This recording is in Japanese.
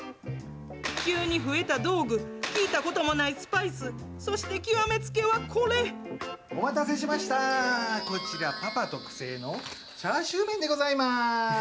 急に増えた道具、聞いたこともないスパイス、そして極めつけはこお待たせしました、こちら、パパ特製のチャーシュー麺でございます。